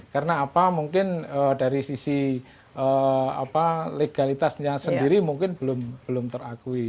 karena apa mungkin dari sisi legalitasnya sendiri mungkin belum terakui